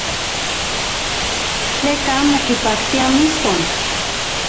Tleka amo kipaktia mixton.